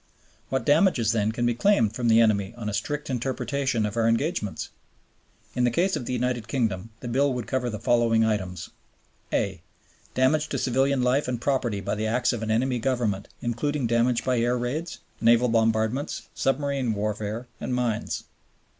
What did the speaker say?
What damages, then, can be claimed from the enemy on a strict interpretation of our engagements? In the case of the United Kingdom the bill would cover the following items: (a) Damage to civilian life and property by the acts of an enemy Government including damage by air raids, naval bombardments, submarine warfare, and mines.